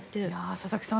佐々木さん